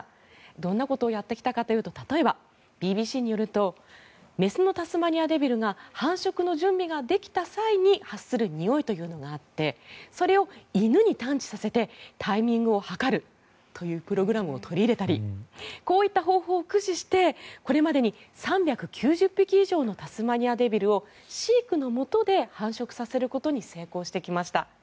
どんなことをやってきたかというと例えば、ＢＢＣによると雌のタスマニアデビルが繁殖の準備ができた際に発するにおいというのがあってそれを犬に探知させてタイミングを計るというプログラムを取り入れたりこういった方法を駆使してこれまでに３９０匹以上のタスマニアデビルを飼育のもとで繁殖させることに成功してきました。